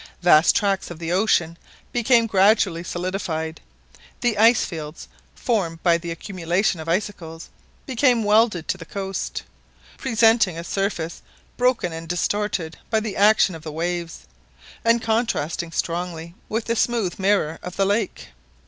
Vast tracts of the ocean became gradually solidified, the ice fields, formed by the accumulation of icicles, became welded to the coast, presenting a surface broken and distorted by the action of the waves, and contrasting strongly with the smooth mirror of the lake.